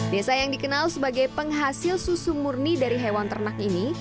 desa yang dikenal sebagai penghasil susu murni dari hewan ternak ini